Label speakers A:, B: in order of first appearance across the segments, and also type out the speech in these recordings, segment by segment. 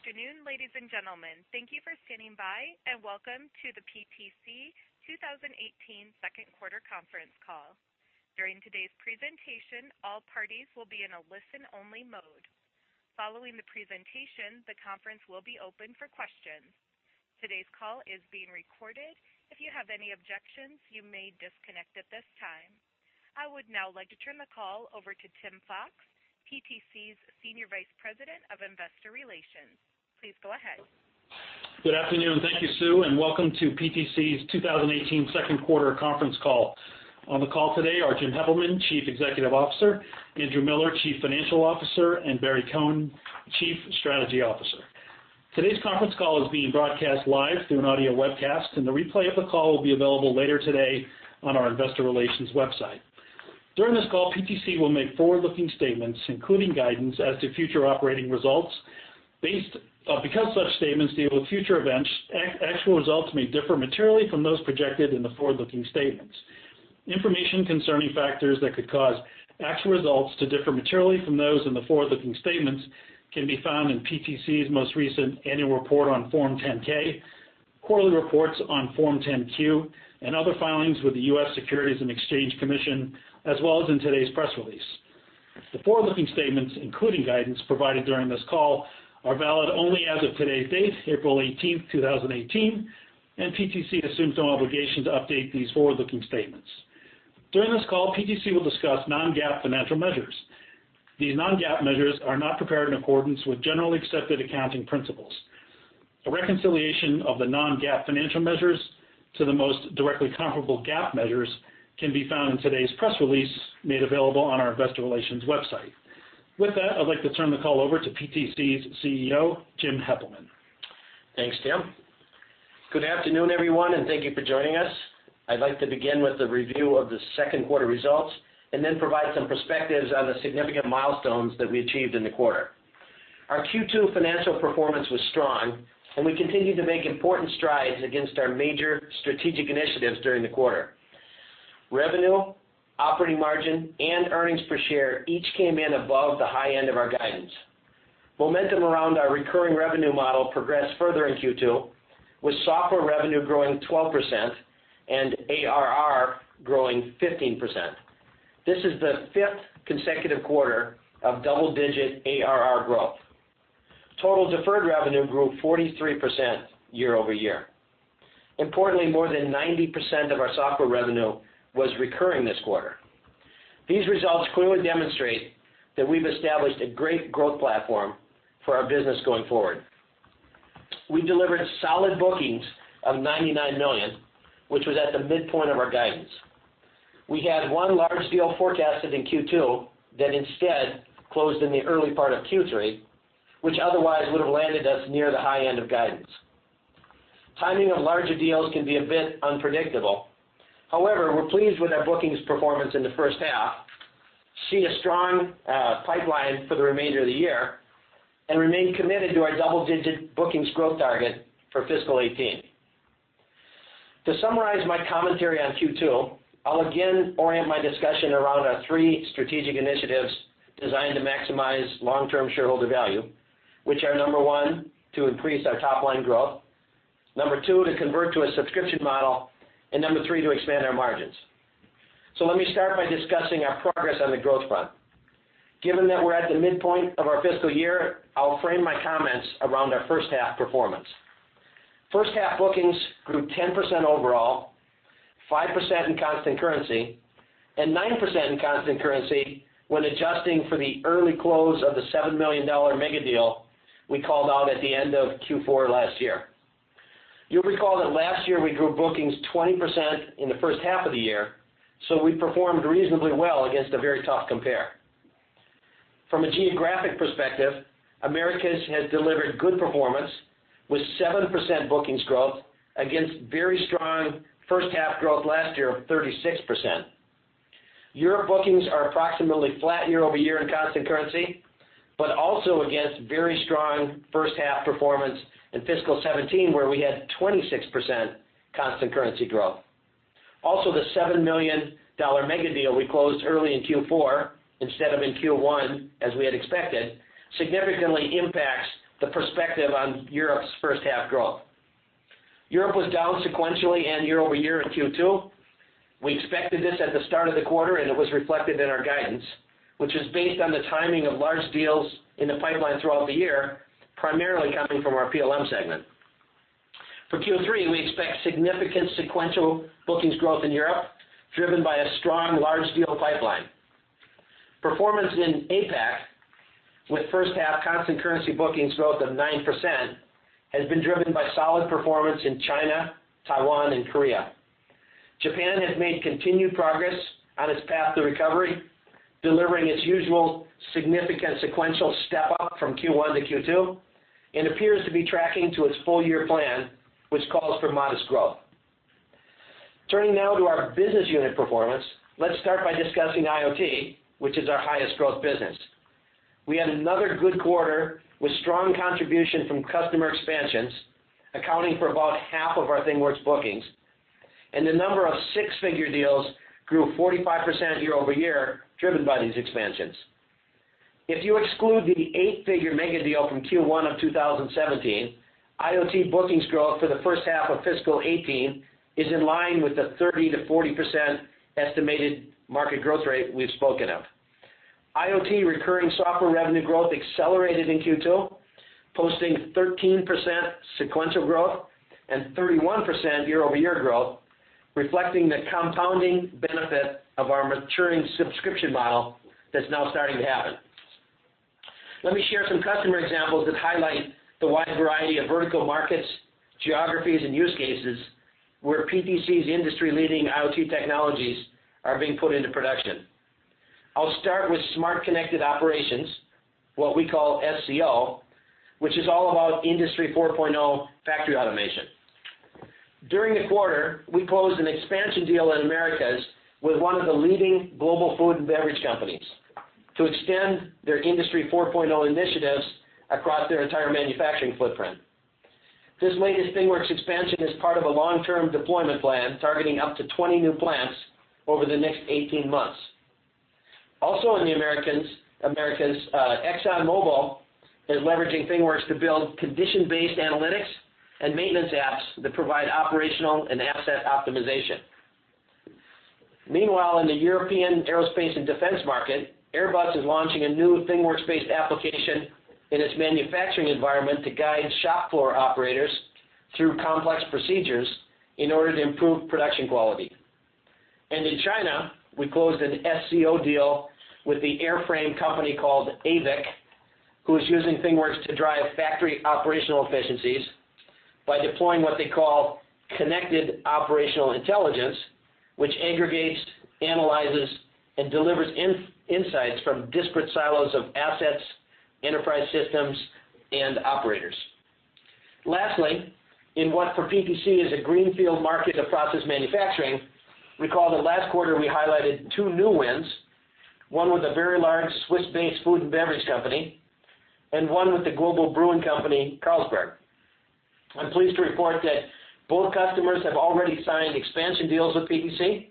A: Afternoon, ladies and gentlemen. Thank you for standing by. Welcome to the PTC 2018 second quarter conference call. During today's presentation, all parties will be in a listen-only mode. Following the presentation, the conference will be open for questions. Today's call is being recorded. If you have any objections, you may disconnect at this time. I would now like to turn the call over to Tim Fox, PTC's Senior Vice President of Investor Relations. Please go ahead.
B: Good afternoon. Thank you, Sue. Welcome to PTC's 2018 second quarter conference call. On the call today are Jim Heppelmann, Chief Executive Officer; Andrew Miller, Chief Financial Officer; and Barry Cohen, Chief Strategy Officer. Today's conference call is being broadcast live through an audio webcast. The replay of the call will be available later today on our investor relations website. During this call, PTC will make forward-looking statements, including guidance as to future operating results. Because such statements deal with future events, actual results may differ materially from those projected in the forward-looking statements. Information concerning factors that could cause actual results to differ materially from those in the forward-looking statements can be found in PTC's most recent annual report on Form 10-K, quarterly reports on Form 10-Q, and other filings with the U.S. Securities and Exchange Commission, as well as in today's press release. The forward-looking statements, including guidance provided during this call, are valid only as of today's date, April 18th, 2018. PTC assumes no obligation to update these forward-looking statements. During this call, PTC will discuss non-GAAP financial measures. These non-GAAP measures are not prepared in accordance with generally accepted accounting principles. A reconciliation of the non-GAAP financial measures to the most directly comparable GAAP measures can be found in today's press release made available on our investor relations website. With that, I'd like to turn the call over to PTC's CEO, Jim Heppelmann.
C: Thanks, Tim. Good afternoon, everyone. Thank you for joining us. I'd like to begin with a review of the second quarter results and then provide some perspectives on the significant milestones that we achieved in the quarter. Our Q2 financial performance was strong. We continued to make important strides against our major strategic initiatives during the quarter. Revenue, operating margin, and earnings per share each came in above the high end of our guidance. Momentum around our recurring revenue model progressed further in Q2, with software revenue growing 12% and ARR growing 15%. This is the fifth consecutive quarter of double-digit ARR growth. Total deferred revenue grew 43% year-over-year. Importantly, more than 90% of our software revenue was recurring this quarter. These results clearly demonstrate that we've established a great growth platform for our business going forward. We delivered solid bookings of $99 million, which was at the midpoint of our guidance. We had one large deal forecasted in Q2 that instead closed in the early part of Q3, which otherwise would have landed us near the high end of guidance. Timing of larger deals can be a bit unpredictable. However, we're pleased with our bookings performance in the first half, see a strong pipeline for the remainder of the year, and remain committed to our double-digit bookings growth target for fiscal 2018. To summarize my commentary on Q2, I'll again orient my discussion around our three strategic initiatives designed to maximize long-term shareholder value, which are, number one, to increase our top-line growth, number two, to convert to a subscription model, and number three, to expand our margins. Let me start by discussing our progress on the growth front. Given that we're at the midpoint of our fiscal year, I'll frame my comments around our first half performance. First half bookings grew 10% overall, 5% in constant currency, and 9% in constant currency when adjusting for the early close of the $7 million mega deal we called out at the end of Q4 last year. You'll recall that last year, we grew bookings 20% in the first half of the year. We performed reasonably well against a very tough compare. From a geographic perspective, Americas has delivered good performance with 7% bookings growth against very strong first half growth last year of 36%. Europe bookings are approximately flat year-over-year in constant currency, also against very strong first half performance in fiscal 2017, where we had 26% constant currency growth. Also, the $7 million mega deal we closed early in Q4 instead of in Q1, as we had expected, significantly impacts the perspective on Europe's first half growth. Europe was down sequentially and year-over-year in Q2. We expected this at the start of the quarter. It was reflected in our guidance, which was based on the timing of large deals in the pipeline throughout the year, primarily coming from our PLM segment. For Q3, we expect significant sequential bookings growth in Europe, driven by a strong large deal pipeline. Performance in APAC with first half constant currency bookings growth of 9% has been driven by solid performance in China, Taiwan, and Korea. Japan has made continued progress on its path to recovery, delivering its usual significant sequential step-up from Q1 to Q2 and appears to be tracking to its full-year plan, which calls for modest growth. Turning now to our business unit performance, let's start by discussing IoT, which is our highest growth business. We had another good quarter with strong contribution from customer expansions, accounting for about half of our ThingWorx bookings. The number of six-figure deals grew 45% year-over-year, driven by these expansions. If you exclude the eight-figure megadeal from Q1 of 2017, IoT bookings growth for the first half of fiscal 2018 is in line with the 30%-40% estimated market growth rate we've spoken of. IoT recurring software revenue growth accelerated in Q2, posting 13% sequential growth and 31% year-over-year growth, reflecting the compounding benefit of our maturing subscription model that's now starting to happen. Let me share some customer examples that highlight the wide variety of vertical markets, geographies, and use cases where PTC's industry-leading IoT technologies are being put into production. I'll start with smart connected operations, what we call SCO, which is all about Industry 4.0 factory automation. During the quarter, we closed an expansion deal in Americas with one of the leading global food and beverage companies to extend their Industry 4.0 initiatives across their entire manufacturing footprint. This latest ThingWorx expansion is part of a long-term deployment plan, targeting up to 20 new plants over the next 18 months. Also in the Americas, ExxonMobil is leveraging ThingWorx to build condition-based analytics and maintenance apps that provide operational and asset optimization. Meanwhile, in the European aerospace and defense market, Airbus is launching a new ThingWorx-based application in its manufacturing environment to guide shop floor operators through complex procedures in order to improve production quality. In China, we closed an SCO deal with the airframe company called AVIC, who is using ThingWorx to drive factory operational efficiencies by deploying what they call connected operational intelligence, which aggregates, analyzes, and delivers insights from disparate silos of assets, enterprise systems, and operators. Lastly, in what for PTC is a greenfield market of process manufacturing, recall that last quarter we highlighted two new wins, one with a very large Swiss-based food and beverage company, and one with the global brewing company, Carlsberg. I'm pleased to report that both customers have already signed expansion deals with PTC,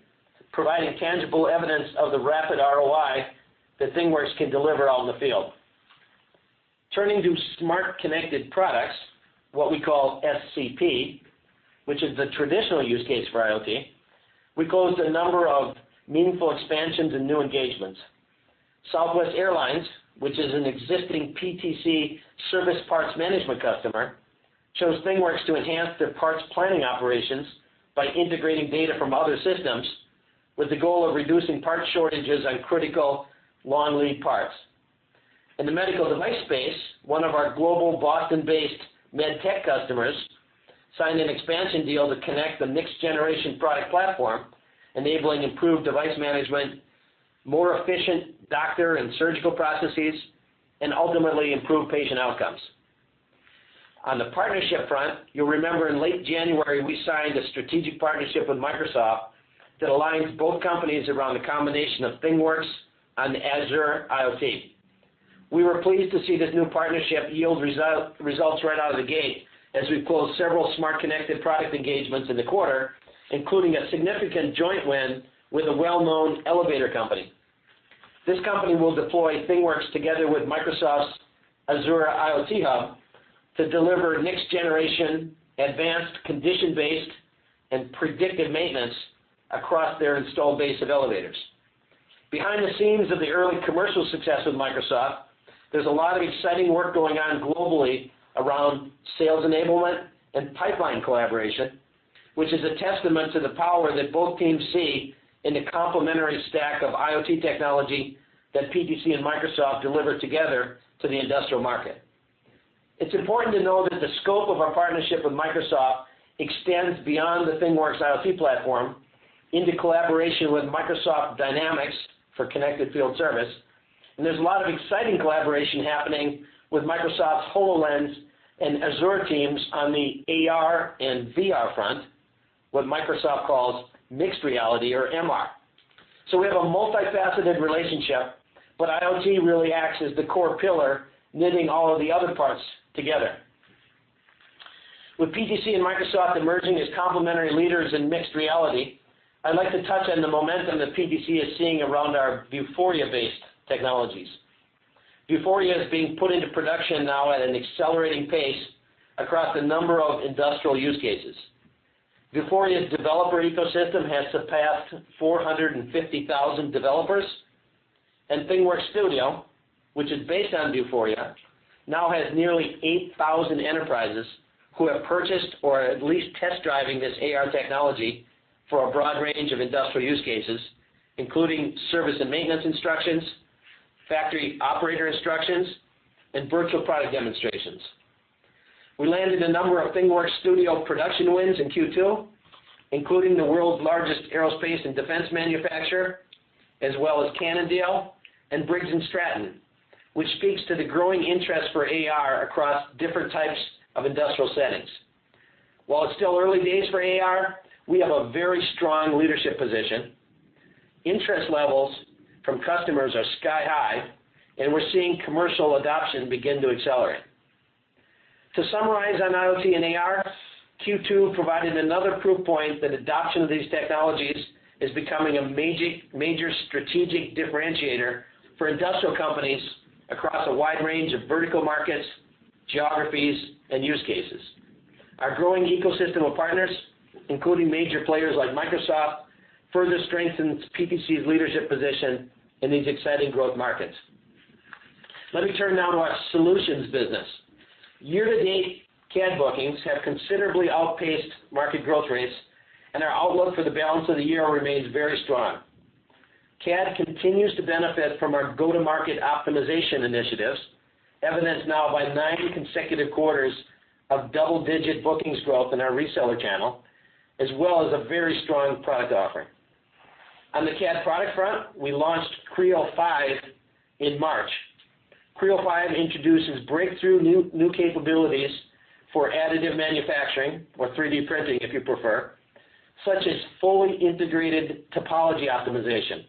C: providing tangible evidence of the rapid ROI that ThingWorx can deliver out in the field. Turning to smart connected products, what we call SCP, which is the traditional use case for IoT, we closed a number of meaningful expansions and new engagements. Southwest Airlines, which is an existing PTC service parts management customer, chose ThingWorx to enhance their parts planning operations by integrating data from other systems with the goal of reducing part shortages on critical long lead parts. In the medical device space, one of our global Boston-based med tech customers signed an expansion deal to connect the next generation product platform, enabling improved device management, more efficient doctor and surgical processes, and ultimately improved patient outcomes. On the partnership front, you'll remember in late January, we signed a strategic partnership with Microsoft that aligns both companies around the combination of ThingWorx and Azure IoT. We were pleased to see this new partnership yield results right out of the gate, as we closed several smart connected product engagements in the quarter, including a significant joint win with a well-known elevator company. This company will deploy ThingWorx together with Microsoft's Azure IoT Hub to deliver next generation advanced condition-based and predictive maintenance across their installed base of elevators. Behind the scenes of the early commercial success with Microsoft, there's a lot of exciting work going on globally around sales enablement and pipeline collaboration, which is a testament to the power that both teams see in the complementary stack of IoT technology that PTC and Microsoft deliver together to the industrial market. It's important to note that the scope of our partnership with Microsoft extends beyond the ThingWorx IoT platform into collaboration with Microsoft Dynamics for connected field service. There's a lot of exciting collaboration happening with Microsoft's HoloLens and Azure teams on the AR and VR front, what Microsoft calls Mixed Reality or MR. We have a multifaceted relationship, but IoT really acts as the core pillar, knitting all of the other parts together. With PTC and Microsoft emerging as complementary leaders in Mixed Reality, I'd like to touch on the momentum that PTC is seeing around our Vuforia-based technologies. Vuforia is being put into production now at an accelerating pace across a number of industrial use cases. Vuforia's developer ecosystem has surpassed 450,000 developers, and ThingWorx Studio, which is based on Vuforia, now has nearly 8,000 enterprises who have purchased or are at least test driving this AR technology for a broad range of industrial use cases, including service and maintenance instructions, factory operator instructions, and virtual product demonstrations. We landed a number of ThingWorx Studio production wins in Q2, including the world's largest aerospace and defense manufacturer, as well as Canon, Dell and Briggs & Stratton, which speaks to the growing interest for AR across different types of industrial settings. While it's still early days for AR, we have a very strong leadership position. Interest levels from customers are sky high, and we're seeing commercial adoption begin to accelerate. To summarize on IoT and AR, Q2 provided another proof point that adoption of these technologies is becoming a major strategic differentiator for industrial companies across a wide range of vertical markets, geographies, and use cases. Our growing ecosystem of partners, including major players like Microsoft, further strengthens PTC's leadership position in these exciting growth markets. Let me turn now to our solutions business. Year-to-date, CAD bookings have considerably outpaced market growth rates, and our outlook for the balance of the year remains very strong. CAD continues to benefit from our go-to-market optimization initiatives, evidenced now by 90 consecutive quarters of double-digit bookings growth in our reseller channel, as well as a very strong product offering. On the CAD product front, we launched Creo 5 in March. Creo 5 introduces breakthrough new capabilities for additive manufacturing, or 3D printing if you prefer, such as fully integrated topology optimization.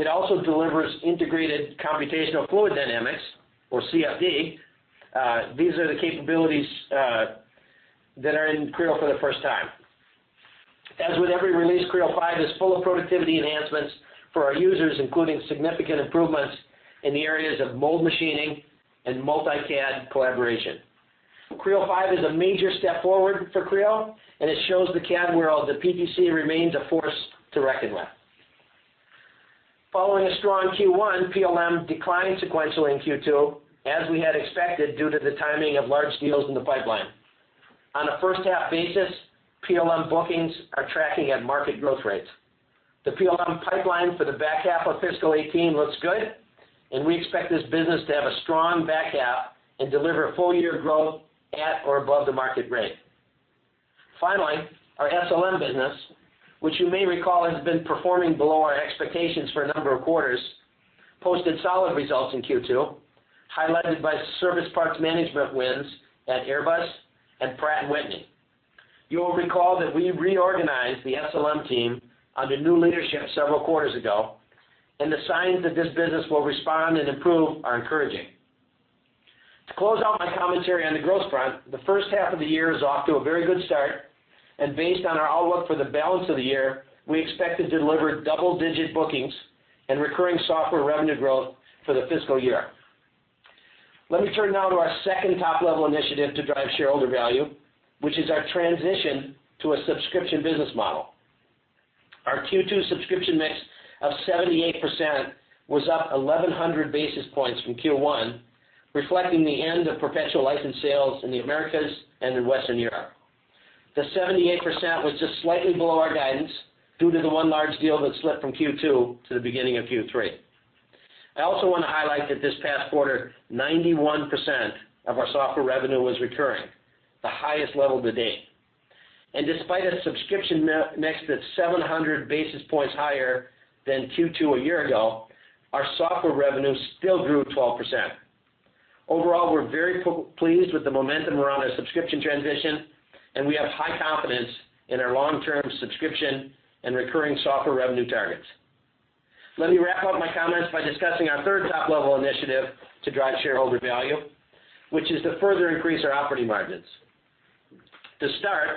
C: It also delivers integrated computational fluid dynamics, or CFD. These are the capabilities that are in Creo for the first time. As with every release, Creo 5 is full of productivity enhancements for our users, including significant improvements in the areas of mold machining and multi-CAD collaboration. Creo 5 is a major step forward for Creo, and it shows the CAD world that PTC remains a force to reckon with. Following a strong Q1, PLM declined sequentially in Q2, as we had expected due to the timing of large deals in the pipeline. On a first-half basis, PLM bookings are tracking at market growth rates. The PLM pipeline for the back half of fiscal 2018 looks good, and we expect this business to have a strong back half and deliver full-year growth at or above the market rate. Our SLM business, which you may recall has been performing below our expectations for a number of quarters, posted solid results in Q2, highlighted by service parts management wins at Airbus and Pratt & Whitney. You will recall that we reorganized the SLM team under new leadership several quarters ago, and the signs that this business will respond and improve are encouraging. To close out my commentary on the growth front, the first half of the year is off to a very good start, and based on our outlook for the balance of the year, we expect to deliver double-digit bookings and recurring software revenue growth for the fiscal year. Let me turn now to our second top-level initiative to drive shareholder value, which is our transition to a subscription business model. Our Q2 subscription mix of 78% was up 1,100 basis points from Q1, reflecting the end of perpetual license sales in the Americas and in Western Europe. The 78% was just slightly below our guidance due to the one large deal that slipped from Q2 to the beginning of Q3. I also want to highlight that this past quarter, 91% of our software revenue was recurring, the highest level to date. Despite a subscription mix that's 700 basis points higher than Q2 a year ago, our software revenue still grew 12%. Overall, we're very pleased with the momentum around our subscription transition, and we have high confidence in our long-term subscription and recurring software revenue targets. Let me wrap up my comments by discussing our third top-level initiative to drive shareholder value, which is to further increase our operating margins. To start,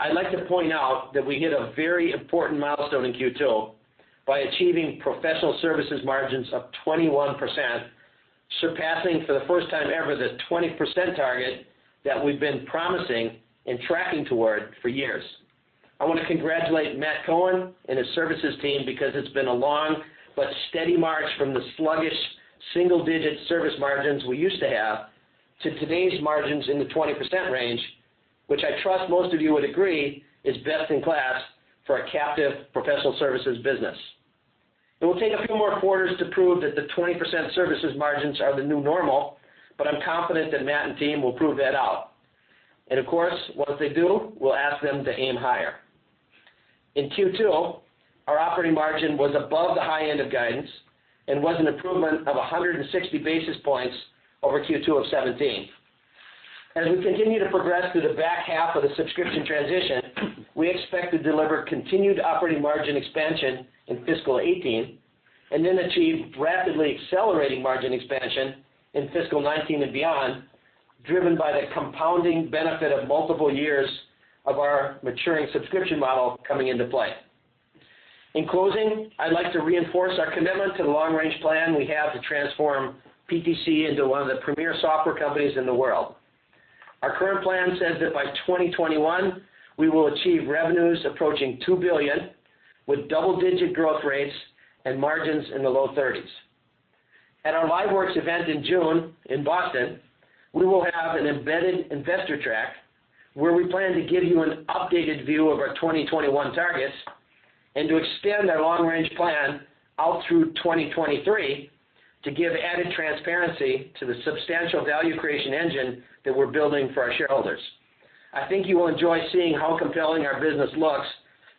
C: I'd like to point out that we hit a very important milestone in Q2 by achieving professional services margins of 21%, surpassing for the first time ever the 20% target that we've been promising and tracking toward for years. I want to congratulate Matt Cohen and his services team because it's been a long but steady march from the sluggish single-digit service margins we used to have to today's margins in the 20% range, which I trust most of you would agree is best in class for a captive professional services business. It will take a few more quarters to prove that the 20% services margins are the new normal, but I'm confident that Matt and team will prove that out. Of course, once they do, we'll ask them to aim higher. In Q2, our operating margin was above the high end of guidance and was an improvement of 160 basis points over Q2 of 2017. As we continue to progress through the back half of the subscription transition, we expect to deliver continued operating margin expansion in fiscal 2018 and then achieve rapidly accelerating margin expansion in fiscal 2019 and beyond, driven by the compounding benefit of multiple years of our maturing subscription model coming into play. In closing, I'd like to reinforce our commitment to the long-range plan we have to transform PTC into one of the premier software companies in the world. Our current plan says that by 2021, we will achieve revenues approaching $2 billion, with double-digit growth rates and margins in the low 30s. At our LiveWorx event in June in Boston, we will have an embedded investor track where we plan to give you an updated view of our 2021 targets and to extend our long-range plan out through 2023 to give added transparency to the substantial value creation engine that we're building for our shareholders. I think you will enjoy seeing how compelling our business looks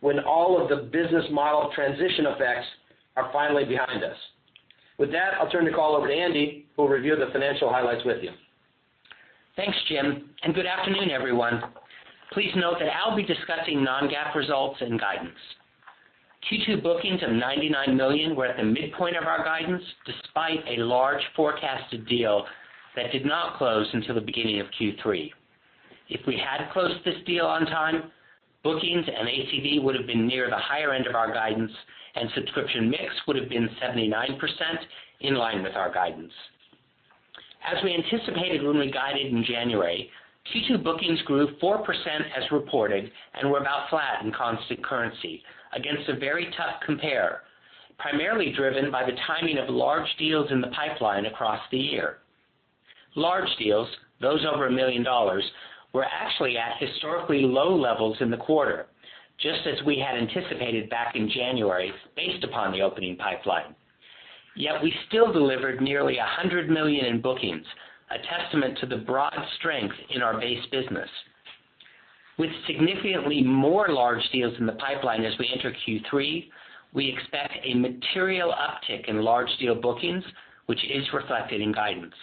C: when all of the business model transition effects are finally behind us. With that, I'll turn the call over to Andy, who will review the financial highlights with you.
D: Thanks, Jim, and good afternoon, everyone. Please note that I'll be discussing non-GAAP results and guidance. Q2 bookings of $99 million were at the midpoint of our guidance, despite a large forecasted deal that did not close until the beginning of Q3. If we had closed this deal on time, bookings and ATV would have been near the higher end of our guidance, and subscription mix would have been 79%, in line with our guidance. As we anticipated when we guided in January, Q2 bookings grew 4% as reported, and were about flat in constant currency against a very tough compare, primarily driven by the timing of large deals in the pipeline across the year. Large deals, those over $1 million, were actually at historically low levels in the quarter, just as we had anticipated back in January based upon the opening pipeline. We still delivered nearly $100 million in bookings, a testament to the broad strength in our base business. With significantly more large deals in the pipeline as we enter Q3, we expect a material uptick in large deal bookings, which is reflected in guidance.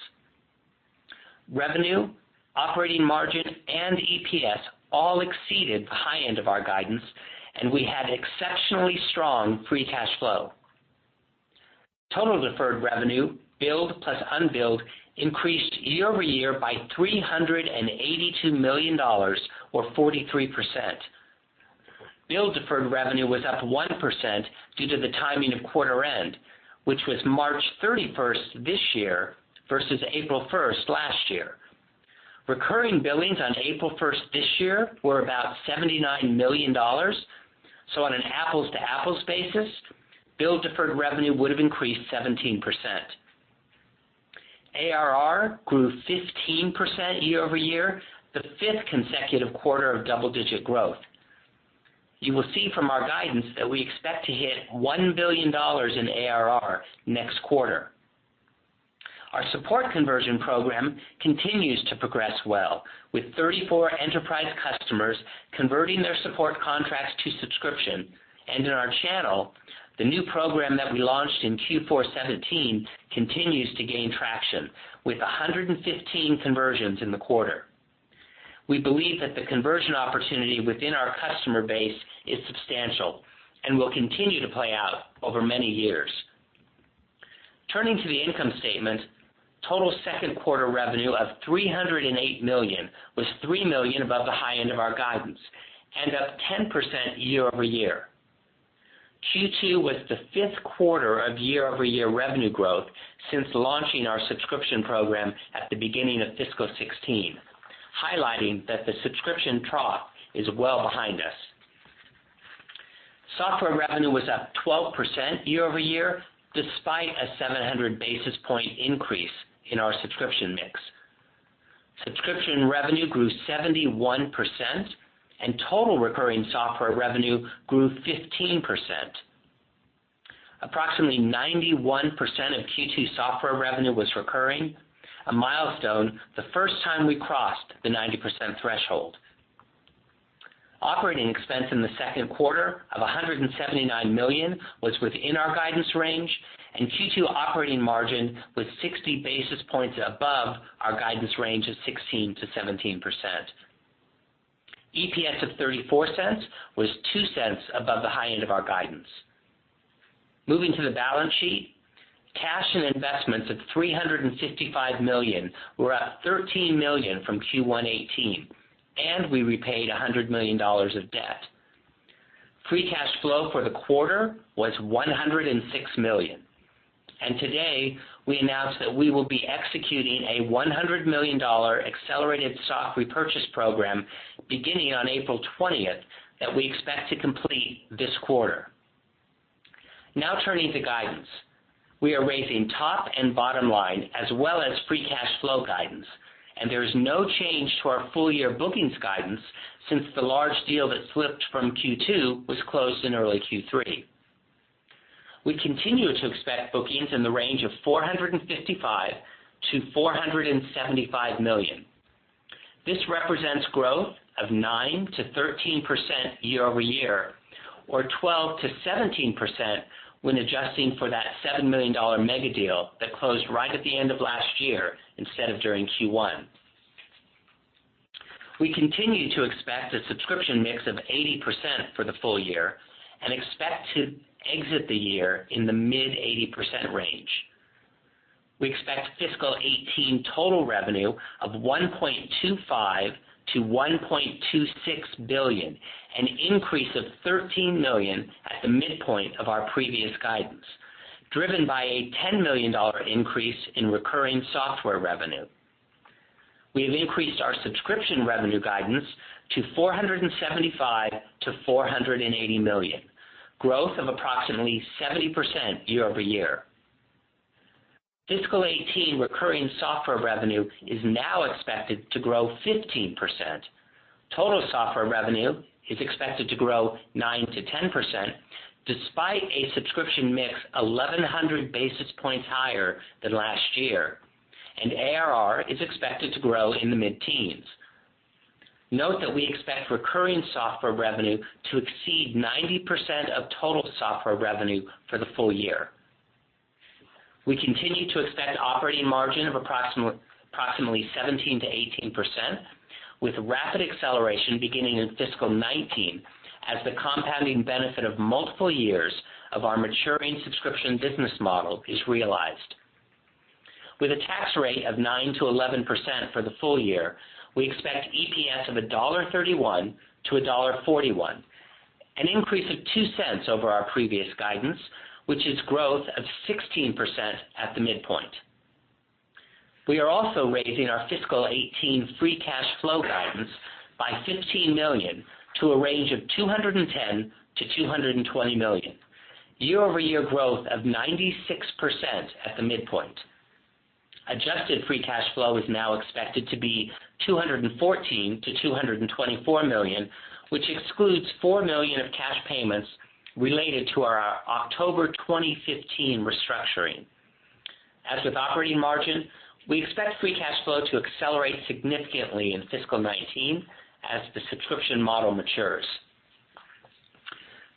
D: Revenue, operating margin, and EPS all exceeded the high end of our guidance, and we had exceptionally strong free cash flow. Total deferred revenue, billed plus unbilled, increased year-over-year by $382 million, or 43%. Billed deferred revenue was up 1% due to the timing of quarter end, which was March 31st this year versus April 1st last year. Recurring billings on April 1st this year were about $79 million. On an apples-to-apples basis, billed deferred revenue would have increased 17%. ARR grew 15% year-over-year, the fifth consecutive quarter of double-digit growth. You will see from our guidance that we expect to hit $1 billion in ARR next quarter. Our support conversion program continues to progress well, with 34 enterprise customers converting their support contracts to subscription. In our channel, the new program that we launched in Q4 2017 continues to gain traction, with 115 conversions in the quarter. We believe that the conversion opportunity within our customer base is substantial and will continue to play out over many years. Turning to the income statement, total second quarter revenue of $308 million was $3 million above the high end of our guidance and up 10% year-over-year. Q2 was the fifth quarter of year-over-year revenue growth since launching our subscription program at the beginning of fiscal 2016, highlighting that the subscription trough is well behind us. Software revenue was up 12% year-over-year, despite a 700 basis point increase in our subscription mix. Subscription revenue grew 71%, and total recurring software revenue grew 15%. Approximately 91% of Q2 software revenue was recurring, a milestone, the first time we crossed the 90% threshold. Operating expense in the second quarter of $179 million was within our guidance range, and Q2 operating margin was 60 basis points above our guidance range of 16%-17%. EPS of $0.34 was $0.02 above the high end of our guidance. Moving to the balance sheet, cash and investments of $355 million were up $13 million from Q1 2018, and we repaid $100 million of debt. Free cash flow for the quarter was $106 million. Today, we announced that we will be executing a $100 million accelerated stock repurchase program beginning on April 20th that we expect to complete this quarter. Now turning to guidance. We are raising top and bottom line as well as free cash flow guidance. There is no change to our full year bookings guidance since the large deal that slipped from Q2 was closed in early Q3. We continue to expect bookings in the range of $455 million-$475 million. This represents growth of 9%-13% year-over-year, or 12%-17% when adjusting for that $7 million mega deal that closed right at the end of last year instead of during Q1. We continue to expect a subscription mix of 80% for the full year and expect to exit the year in the mid-80% range. We expect fiscal 2018 total revenue of $1.25 billion-$1.26 billion, an increase of $13 million at the midpoint of our previous guidance, driven by a $10 million increase in recurring software revenue. We have increased our subscription revenue guidance to $475 million-$480 million, growth of approximately 70% year-over-year. Fiscal 2018 recurring software revenue is now expected to grow 15%. Total software revenue is expected to grow 9%-10%, despite a subscription mix 1,100 basis points higher than last year. ARR is expected to grow in the mid-teens. Note that we expect recurring software revenue to exceed 90% of total software revenue for the full year. We continue to expect operating margin of approximately 17%-18%, with rapid acceleration beginning in fiscal 2019 as the compounding benefit of multiple years of our maturing subscription business model is realized. With a tax rate of 9%-11% for the full year, we expect EPS of $1.31-$1.41, an increase of $0.02 over our previous guidance, which is growth of 16% at the midpoint. We are also raising our fiscal 2018 free cash flow guidance by $15 million to a range of $210 million-$220 million, year-over-year growth of 96% at the midpoint. Adjusted free cash flow is now expected to be $214 million-$224 million, which excludes $4 million of cash payments related to our October 2015 restructuring. As with operating margin, we expect free cash flow to accelerate significantly in fiscal 2019 as the subscription model matures.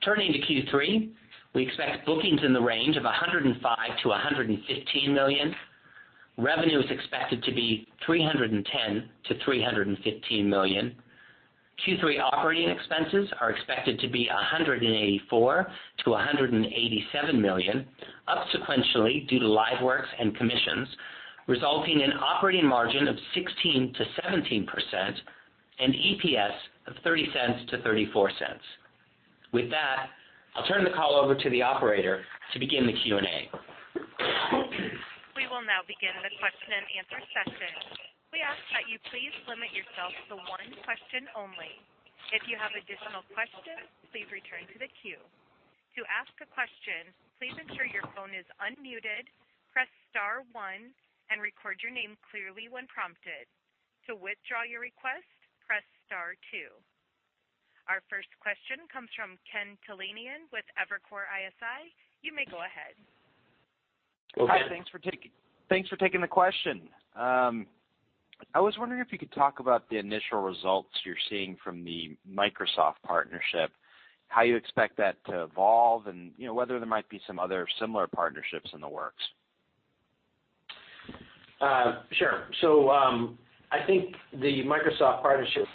D: Turning to Q3, we expect bookings in the range of $105 million-$115 million. Revenue is expected to be $310 million-$315 million. Q3 operating expenses are expected to be $184 million-$187 million, up sequentially due to LiveWorx and commissions, resulting in operating margin of 16%-17% and EPS of $0.30-$0.34. With that, I'll turn the call over to the operator to begin the Q&A.
A: We will now begin the question and answer session. We ask that you please limit yourself to one question only. If you have additional questions, please return to the queue. To ask a question, please ensure your phone is unmuted, press star one, and record your name clearly when prompted. To withdraw your request, press star two. Our first question comes from Ken Talanian with Evercore ISI. You may go ahead.
E: Hi. Thanks for taking the question. I was wondering if you could talk about the initial results you're seeing from the Microsoft partnership, how you expect that to evolve, and whether there might be some other similar partnerships in the works.
C: Sure. I think the Microsoft partnership to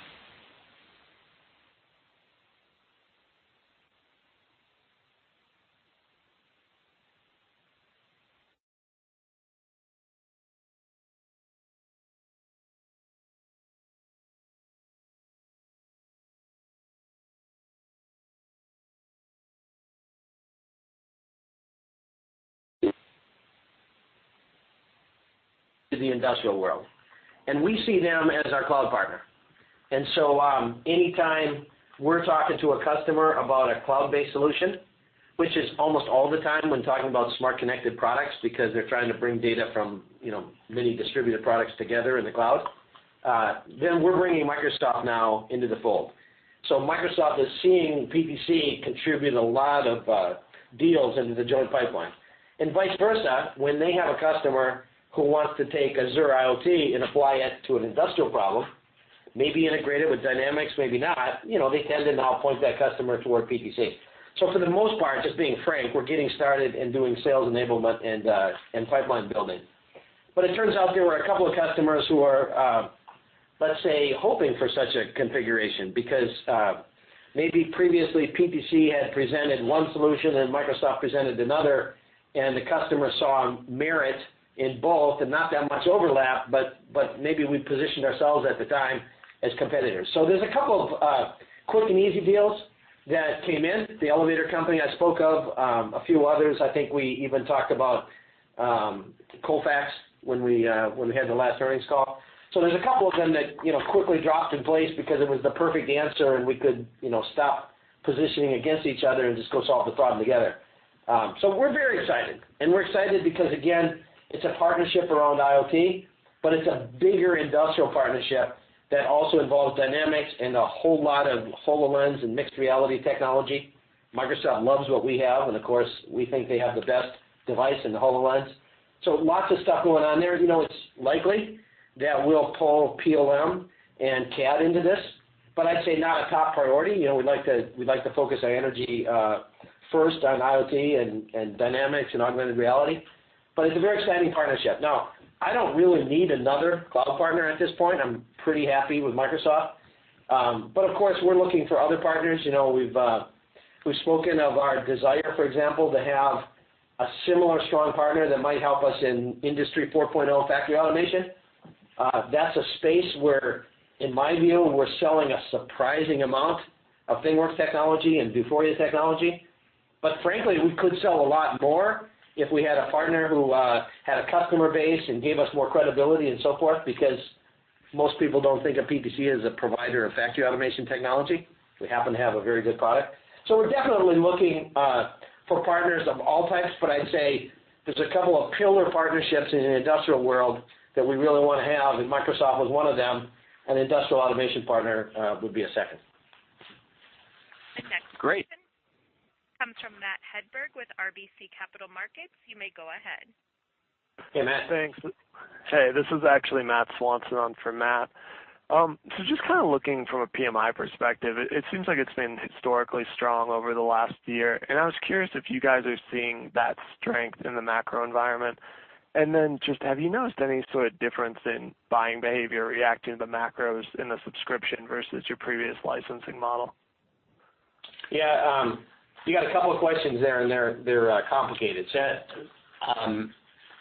C: the industrial world, and we see them as our cloud partner. Anytime we're talking to a customer about a cloud-based solution, which is almost all the time when talking about smart connected products, because they're trying to bring data from many distributed products together in the cloud, then we're bringing Microsoft now into the fold. Microsoft is seeing PTC contribute a lot of deals into the joint pipeline and vice versa. When they have a customer who wants to take Azure IoT and apply it to an industrial problem, maybe integrate it with Dynamics, maybe not, they tend to now point that customer toward PTC. For the most part, just being frank, we're getting started in doing sales enablement and pipeline building. It turns out there were a couple of customers who are, let's say, hoping for such a configuration because, maybe previously PTC had presented one solution and Microsoft presented another, and the customer saw merit in both and not that much overlap, but maybe we positioned ourselves at the time as competitors. There's a couple of quick and easy deals that came in. The elevator company I spoke of, a few others. I think we even talked about Colfax when we had the last earnings call. There's a couple of them that quickly dropped in place because it was the perfect answer, and we could stop positioning against each other and just go solve the problem together. We're very excited, and we're excited because, again, it's a partnership around IoT, but it's a bigger industrial partnership that also involves Dynamics and a whole lot of HoloLens and Mixed Reality technology. Microsoft loves what we have, and of course, we think they have the best device in the HoloLens. Lots of stuff going on there. It's likely that we'll pull PLM and CAD into this, but I'd say not a top priority. We'd like to focus our energy first on IoT and Dynamics and augmented reality, but it's a very exciting partnership. I don't really need another cloud partner at this point. I'm pretty happy with Microsoft. Of course, we're looking for other partners. We've spoken of our desire, for example, to have a similar strong partner that might help us in Industry 4.0 factory automation. That's a space where, in my view, we're selling a surprising amount of ThingWorx technology and Vuforia technology. Frankly, we could sell a lot more if we had a partner who had a customer base and gave us more credibility and so forth because most people don't think of PTC as a provider of factory automation technology. We happen to have a very good product. We're definitely looking for partners of all types, but I'd say there's a couple of pillar partnerships in the industrial world that we really want to have, and Microsoft was one of them. An industrial automation partner would be a second.
A: The next question.
E: Great
A: Comes from Matt Hedberg with RBC Capital Markets. You may go ahead.
C: Hey, Matt.
F: Hey, this is actually Matt Swanson on for Matt. Just looking from a PMI perspective, it seems like it's been historically strong over the last year, and I was curious if you guys are seeing that strength in the macro environment. Have you noticed any sort of difference in buying behavior reacting to the macros in the subscription versus your previous licensing model?
D: Yeah. You got a couple of questions there, and they're complicated.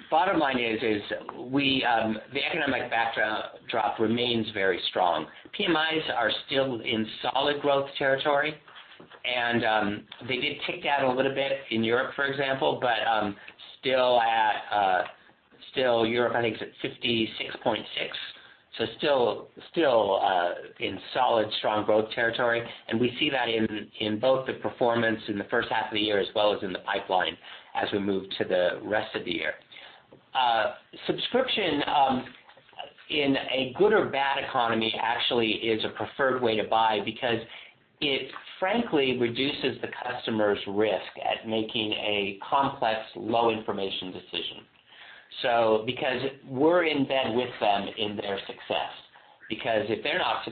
D: Bottom line is, the economic backdrop remains very strong. PMIs are still in solid growth territory. They did tick down a little bit in Europe, for example, but still Europe, I think, is at 66.6. Still in solid, strong growth territory. We see that in both the performance in the first half of the year as well as in the pipeline as we move to the rest of the year. Subscription, in a good or bad economy actually is a preferred way to buy because it frankly reduces the customer's risk at making a complex low-information decision. Because we're in bed with them in their success, because if they're not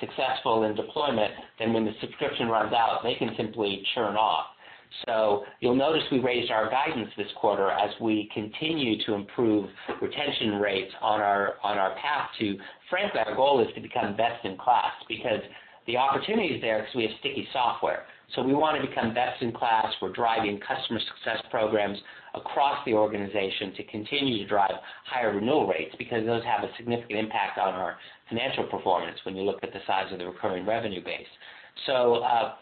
D: successful in deployment, then when the subscription runs out, they can simply churn off. You'll notice we raised our guidance this quarter as we continue to improve retention rates on our path to frankly, our goal is to become best in class because the opportunity is there because we have sticky software. We want to become best in class. We're driving customer success programs across the organization to continue to drive higher renewal rates, because those have a significant impact on our financial performance when you look at the size of the recurring revenue base.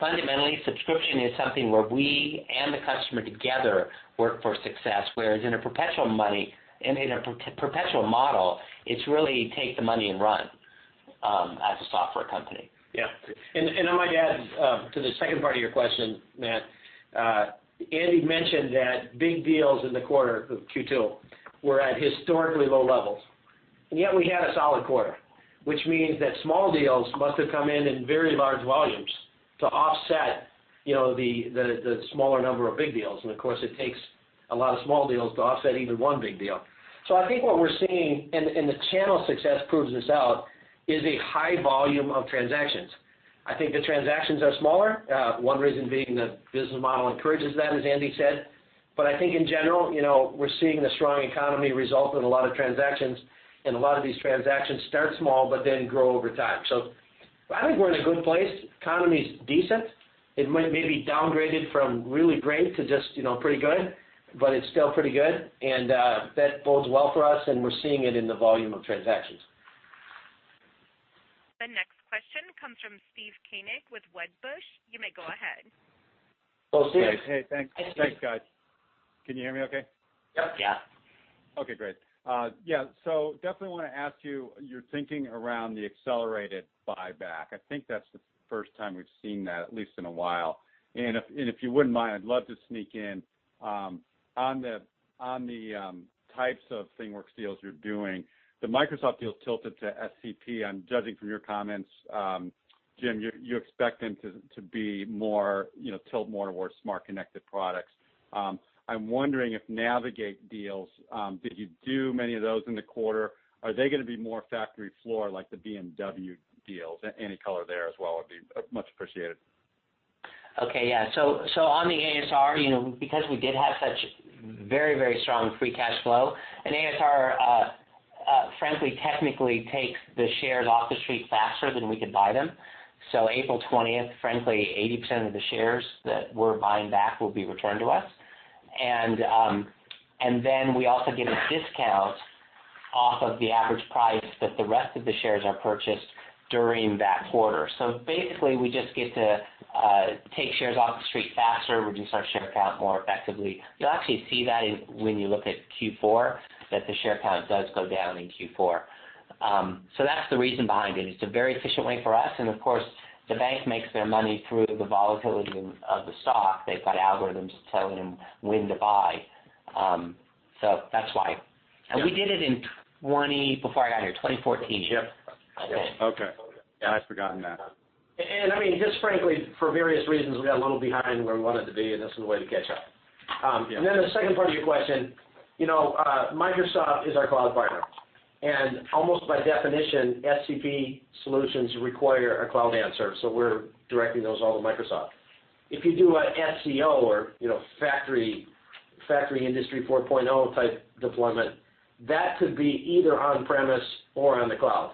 D: Fundamentally, subscription is something where we and the customer together work for success. Whereas in a perpetual model, it's really take the money and run, as a software company.
C: Yeah. I might add, to the second part of your question, Matt. Andy mentioned that big deals in the quarter of Q2 were at historically low levels, and yet we had a solid quarter, which means that small deals must have come in in very large volumes to offset the smaller number of big deals. And of course, it takes a lot of small deals to offset even one big deal. I think what we're seeing, and the channel success proves this out, is a high volume of transactions. I think the transactions are smaller. One reason being the business model encourages that, as Andy said. I think in general, we're seeing the strong economy result in a lot of transactions. A lot of these transactions start small but then grow over time. I think we're in a good place. Economy's decent. It might maybe downgraded from really great to just pretty good, it's still pretty good, that bodes well for us, we're seeing it in the volume of transactions.
A: The next question comes from Steve Koenig with Wedbush. You may go ahead.
C: Hello, Steve.
G: Hey, thanks. Thanks, guys. Can you hear me okay?
C: Yep.
D: Yeah.
G: Okay, great. Yeah, definitely want to ask you your thinking around the accelerated buyback. I think that's the first time we've seen that, at least in a while. If you wouldn't mind, I'd love to sneak in, on the types of ThingWorx deals you're doing, the Microsoft deal tilted to SCP. I'm judging from your comments, Jim, you expect them to be more, tilt more towards smart, connected products. I'm wondering if Navigate deals, did you do many of those in the quarter? Are they going to be more factory floor like the BMW deals? Any color there as well would be much appreciated.
D: Okay. Yeah. On the ASR, because we did have such very strong free cash flow, an ASR, frankly, technically takes the shares off the street faster than we could buy them. April 20th, frankly, 80% of the shares that we're buying back will be returned to us. Then we also get a discount off of the average price that the rest of the shares are purchased during that quarter. Basically, we just get to take shares off the street faster. We reduce our share count more effectively. You'll actually see that when you look at Q4, that the share count does go down in Q4. That's the reason behind it. It's a very efficient way for us, and of course, the bank makes their money through the volatility of the stock. They've got algorithms telling them when to buy. That's why. We did it in 2012, before I got here, 2014.
C: Yep.
G: Okay. Yeah, I'd forgotten that.
C: I mean, just frankly, for various reasons, we got a little behind where we wanted to be, and this is a way to catch up. Yeah. The second part of your question, Microsoft is our cloud partner, and almost by definition, SCP solutions require a cloud answer. We're directing those all to Microsoft. If you do an FCO or factory Industry 4.0 type deployment, that could be either on-premises or on the cloud.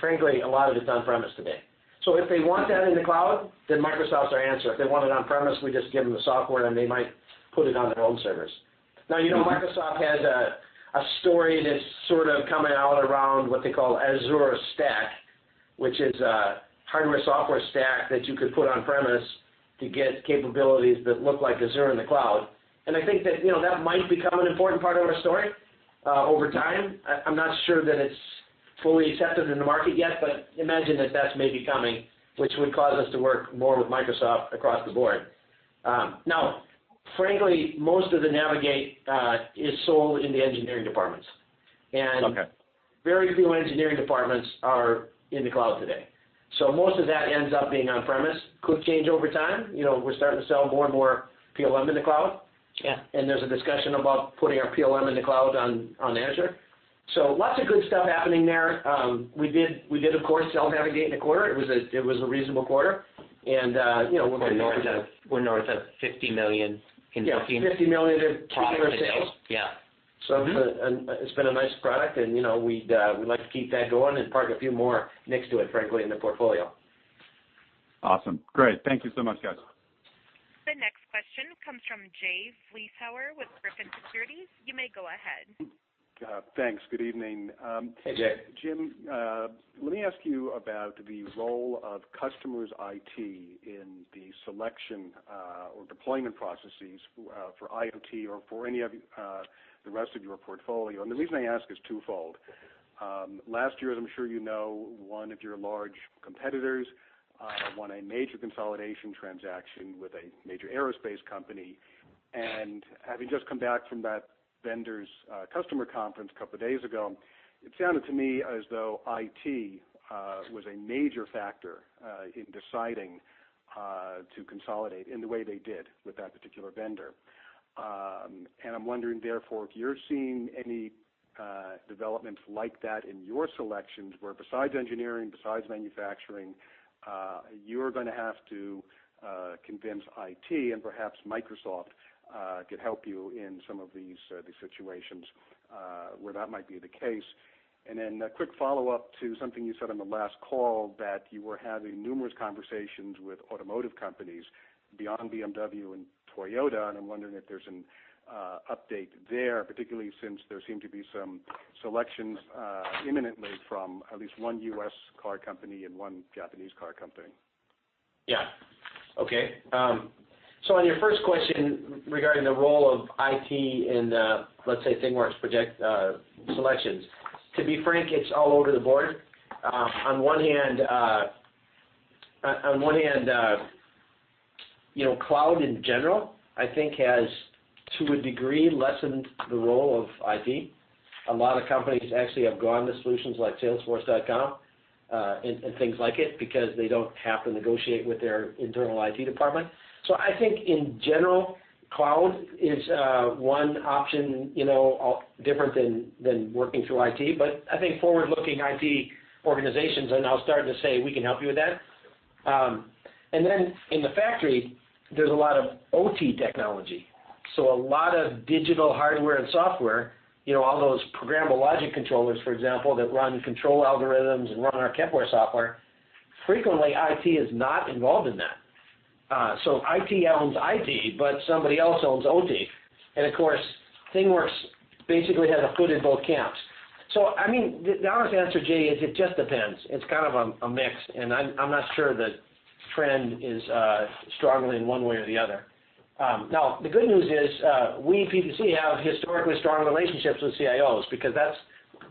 C: Frankly, a lot of it's on-premises today. If they want that in the cloud, then Microsoft's our answer. If they want it on-premises, we just give them the software, and they might put it on their own servers. Microsoft has a story that's sort of coming out around what they call Azure Stack, which is a hardware software stack that you could put on-premises to get capabilities that look like Azure in the cloud. I think that might become an important part of our story, over time. I'm not sure that it's fully accepted in the market yet, but imagine that that's maybe coming, which would cause us to work more with Microsoft across the board. Frankly, most of the Navigate is sold in the engineering departments.
G: Okay.
C: Very few engineering departments are in the cloud today. Most of that ends up being on-premise. Could change over time. We're starting to sell more and more PLM in the cloud.
H: Yeah.
C: There's a discussion about putting our PLM in the cloud on Azure. Lots of good stuff happening there. We did, of course, sell Navigate in the quarter. It was a reasonable quarter.
H: We're north of $50 million in bookings.
C: Yeah, $50 million in product sales.
H: Yeah. Mm-hmm.
C: It's been a nice product, and we'd like to keep that going and park a few more next to it, frankly, in the portfolio.
G: Awesome. Great. Thank you so much, guys.
A: The next question comes from Jay Vleeschhouwer with Griffin Securities. You may go ahead.
I: Thanks. Good evening.
C: Hey, Jay.
I: Jim, let me ask you about the role of customers' IT in the selection or deployment processes for IoT or for any of the rest of your portfolio. The reason I ask is twofold. Last year, as I'm sure you know, one of your large competitors won a major consolidation transaction with a major aerospace company. Having just come back from that vendor's customer conference a couple of days ago, it sounded to me as though IT was a major factor in deciding to consolidate in the way they did with that particular vendor. I'm wondering, therefore, if you're seeing any developments like that in your selections, where besides engineering, besides manufacturing, you're going to have to convince IT and perhaps Microsoft could help you in some of these situations where that might be the case. A quick follow-up to something you said on the last call, that you were having numerous conversations with automotive companies beyond BMW and Toyota, and I'm wondering if there's an update there, particularly since there seem to be some selections imminently from at least one U.S. car company and one Japanese car company.
C: Yeah. Okay. On your first question regarding the role of IT in, let's say, ThingWorx project selections, to be frank, it's all over the board. On one hand, cloud in general, I think has, to a degree, lessened the role of IT. A lot of companies actually have gone to solutions like salesforce.com, and things like it, because they don't have to negotiate with their internal IT department. I think in general, cloud is one option different than working through IT. I think forward-looking IT organizations are now starting to say, "We can help you with that." In the factory, there's a lot of OT technology. A lot of digital hardware and software, all those programmable logic controllers, for example, that run control algorithms and run on our Kepware software, frequently, IT is not involved in that. IT owns IT, somebody else owns OT. Of course, ThingWorx basically has a foot in both camps. The honest answer, Jay, is it just depends. It's kind of a mix, and I'm not sure the trend is strongly in one way or the other. Now, the good news is, we, PTC, have historically strong relationships with CIOs because that's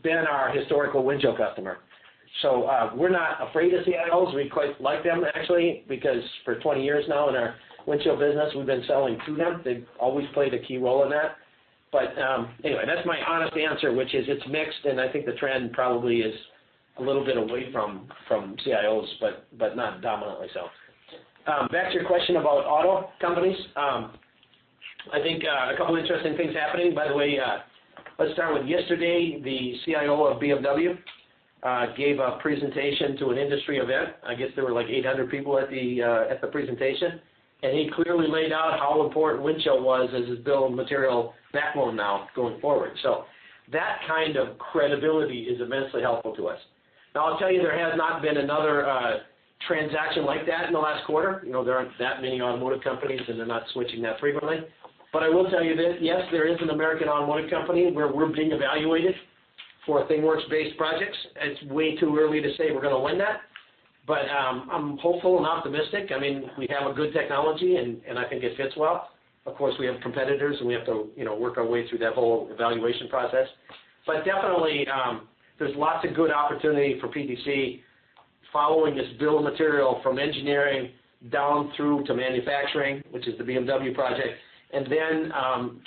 C: been our historical Windchill customer. We're not afraid of CIOs. We quite like them actually, because for 20 years now in our Windchill business, we've been selling to them. They've always played a key role in that. Anyway, that's my honest answer, which is it's mixed, and I think the trend probably is a little bit away from CIOs, but not dominantly so. Back to your question about auto companies. I think a couple interesting things happening. By the way, let's start with yesterday, the CIO of BMW gave a presentation to an industry event. I guess there were like 800 people at the presentation, and he clearly laid out how important Windchill was as his bill of material backbone now going forward. That kind of credibility is immensely helpful to us. Now, I'll tell you, there has not been another transaction like that in the last quarter. There aren't that many automotive companies, and they're not switching that frequently. I will tell you this, yes, there is an American automotive company where we're being evaluated for ThingWorx-based projects. It's way too early to say we're going to win that. I'm hopeful and optimistic. We have a good technology, and I think it fits well. Of course, we have competitors, and we have to work our way through that whole evaluation process. Definitely, there's lots of good opportunity for PTC following this bill of material from engineering down through to manufacturing, which is the BMW project, and then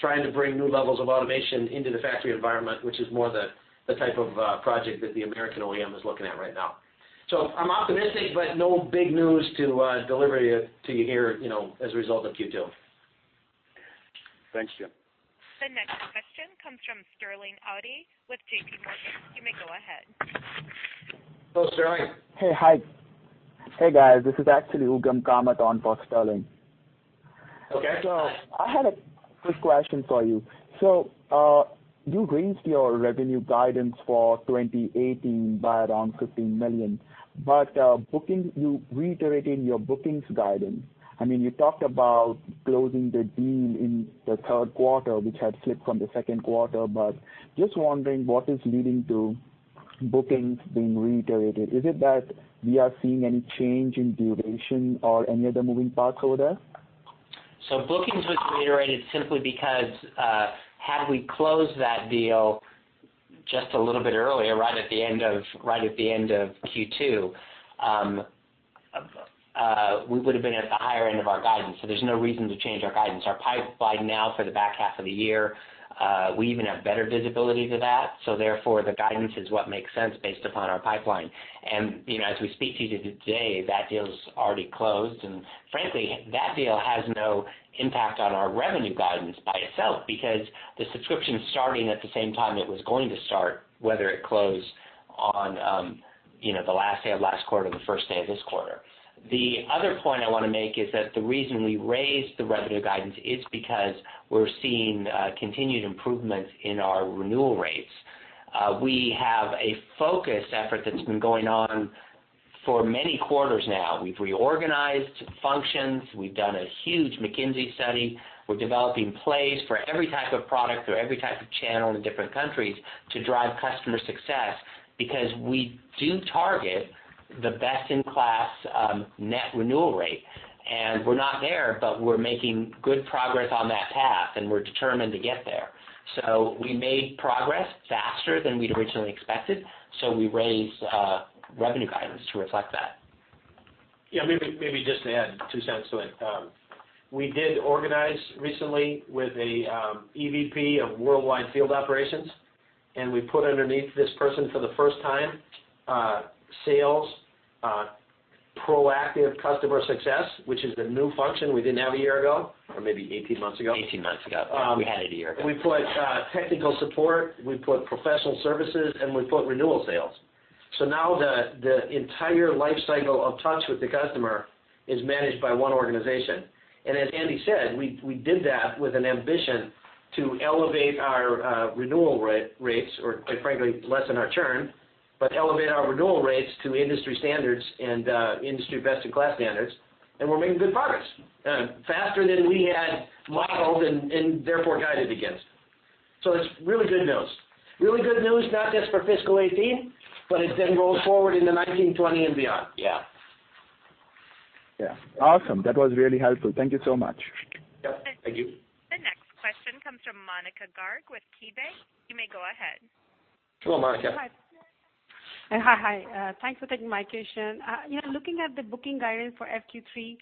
C: trying to bring new levels of automation into the factory environment, which is more the type of project that the American OEM is looking at right now. I'm optimistic, but no big news to deliver to you here as a result of Q2.
I: Thanks, Jim.
A: The next question comes from Sterling Auty with JPMorgan. You may go ahead.
C: Hello, Sterling.
J: Hey. Hi. Hey, guys. This is actually Ugam Kamat on for Sterling.
C: Okay.
J: I had a quick question for you. You raised your revenue guidance for 2018 by around $15 million, but you reiterated your bookings guidance. You talked about closing the deal in the third quarter, which had slipped from the second quarter, but just wondering what is leading to bookings being reiterated. Is it that we are seeing any change in duration or any other moving parts over there?
C: Bookings was reiterated simply because had we closed that deal just a little bit earlier, right at the end of Q2.
D: We would have been at the higher end of our guidance, so there's no reason to change our guidance. Our pipeline now for the back half of the year, we even have better visibility to that, therefore the guidance is what makes sense based upon our pipeline. As we speak to you today, that deal is already closed, and frankly, that deal has no impact on our revenue guidance by itself because the subscription's starting at the same time it was going to start, whether it closed on the last day of last quarter or the first day of this quarter. The other point I want to make is that the reason we raised the revenue guidance is because we're seeing continued improvements in our renewal rates. We have a focus effort that's been going on for many quarters now. We've reorganized functions. We've done a huge McKinsey study. We're developing plays for every type of product or every type of channel in different countries to drive customer success because we do target the best-in-class net renewal rate. We're not there, but we're making good progress on that path, and we're determined to get there. We made progress faster than we'd originally expected, so we raised revenue guidance to reflect that.
C: Yeah, maybe just to add two cents to it. We did organize recently with a EVP of worldwide field operations, and we put underneath this person for the first time, sales, proactive customer success, which is the new function we didn't have a year ago, or maybe 18 months ago.
D: 18 months ago. We had it a year ago.
C: We put technical support, we put professional services, and we put renewal sales. Now the entire life cycle of touch with the customer is managed by one organization. As Andy said, we did that with an ambition to elevate our renewal rates, or quite frankly, lessen our churn, but elevate our renewal rates to industry standards and industry best-in-class standards. We're making good progress, faster than we had modeled and therefore guided against. It's really good news. Really good news, not just for fiscal 2018, but as Jim rolls forward into 2019, 2020, and beyond.
D: Yeah.
J: Yeah. Awesome. That was really helpful. Thank you so much.
C: Yep.
D: Thank you.
A: The next question comes from Monika Garg with KeyBanc. You may go ahead.
C: Hello, Monika.
K: Hi. Thanks for taking my question. Looking at the booking guidance for FQ3,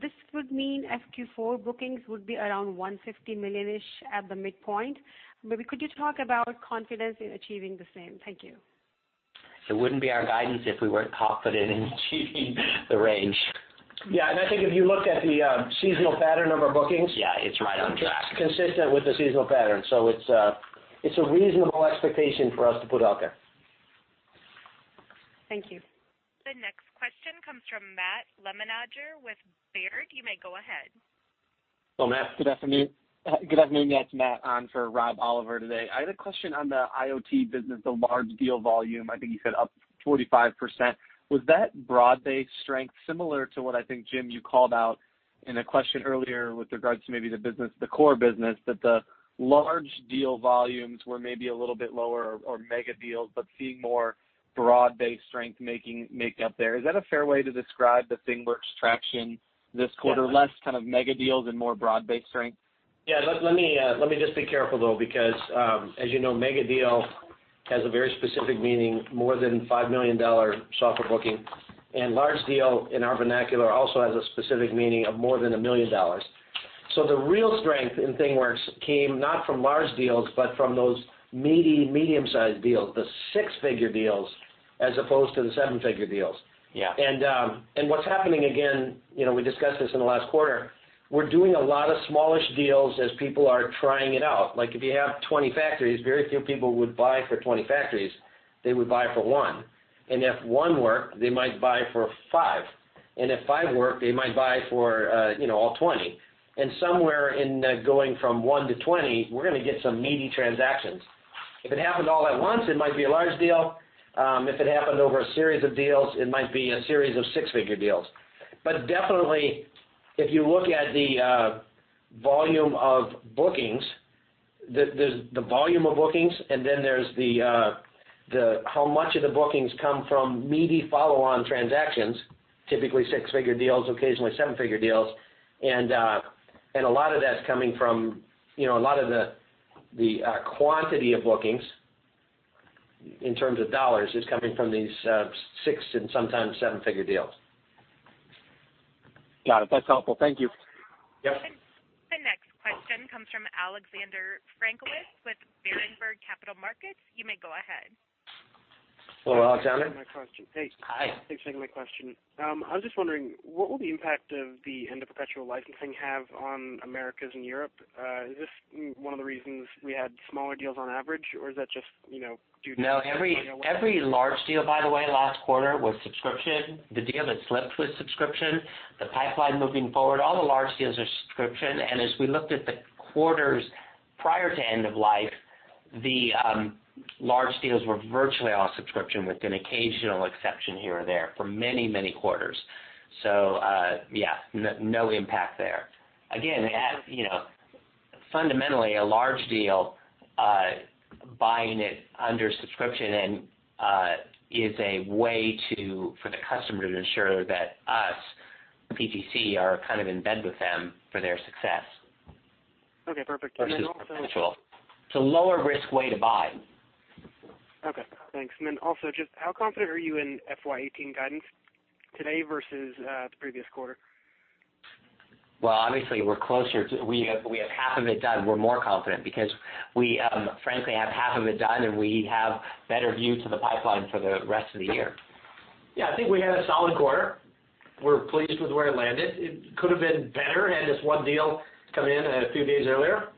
K: this would mean FQ4 bookings would be around $150 million-ish at the midpoint. Maybe could you talk about confidence in achieving the same? Thank you.
D: It wouldn't be our guidance if we weren't confident in achieving the range.
C: Yeah, I think if you looked at the seasonal pattern of our bookings
D: Yeah, it's right on track
C: consistent with the seasonal pattern. It's a reasonable expectation for us to put out there.
K: Thank you.
A: The next question comes from Matt Lemenager with Baird. You may go ahead.
C: Hello, Matt.
L: Good afternoon. Yeah, it's Matt on for Rob Oliver today. I had a question on the IoT business, the large deal volume. I think you said up 45%. Was that broad-based strength similar to what I think, Jim, you called out in a question earlier with regards to maybe the core business, that the large deal volumes were maybe a little bit lower or mega deals, but seeing more broad-based strength makeup there? Is that a fair way to describe the ThingWorx traction this quarter? Less kind of mega deals and more broad-based strength?
C: Yeah, let me just be careful though, because, as you know, mega deal has a very specific meaning, more than $5 million software booking, and large deal in our vernacular also has a specific meaning of more than $1 million. The real strength in ThingWorx came not from large deals, but from those meaty medium-sized deals, the six-figure deals as opposed to the seven-figure deals.
D: Yeah.
C: What's happening again, we discussed this in the last quarter, we're doing a lot of smallish deals as people are trying it out. Like if you have 20 factories, very few people would buy for 20 factories. They would buy for one. If one worked, they might buy for five. If five worked, they might buy for all 20. Somewhere in going from one to 20, we're going to get some meaty transactions. If it happened all at once, it might be a large deal. If it happened over a series of deals, it might be a series of six-figure deals. Definitely, if you look at the volume of bookings, there's the volume of bookings, and then there's how much of the bookings come from meaty follow-on transactions, typically six-figure deals, occasionally seven-figure deals. A lot of the quantity of bookings in terms of dollars is coming from these six and sometimes seven-figure deals.
L: Got it. That's helpful. Thank you.
C: Yep.
A: The next question comes from Alexander Frankovic with Berenberg Capital Markets. You may go ahead.
C: Hello, Alexander.
M: Thanks for taking my question.
D: Hi. I was just wondering, what will the impact of the end of perpetual licensing have on Americas and Europe? Is this one of the reasons we had smaller deals on average, or is that just due to-
M: Every large deal, by the way, last quarter was subscription. The deal that slipped was subscription. The pipeline moving forward, all the large deals are subscription. As we looked at the quarters prior to end of life, the large deals were virtually all subscription with an occasional exception here or there for many, many quarters. Yeah, no impact there. Again, fundamentally a large deal, buying it under subscription is a way for the customer to ensure that us, PTC, are kind of in bed with them for their success. Okay, perfect. Also-
D: It's a lower risk way to buy
M: Okay, thanks. How confident are you in FY 2018 guidance today versus the previous quarter?
D: Well, obviously we're closer. We have half of it done. We're more confident because we frankly have half of it done, we have better view to the pipeline for the rest of the year.
C: Yeah, I think we had a solid quarter. We're pleased with where it landed. It could've been better had this one deal come in a few days earlier.